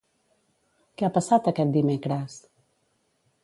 Què ha passat aquest dimecres?